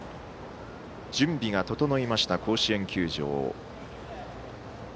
準備が整いました、甲子園球場。